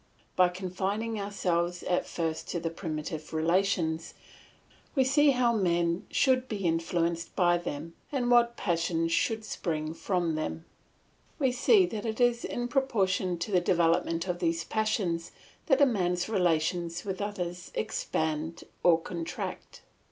By confining ourselves at first to the primitive relations, we see how men should be influenced by them and what passions should spring from them; we see that it is in proportion to the development of these passions that a man's relations with others expand or contract.